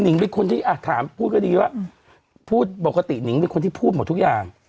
งเป็นคนที่ถามพูดก็ดีว่าพูดปกตินิงเป็นคนที่พูดหมดทุกอย่าง